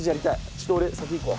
ちょっと俺先行くわ。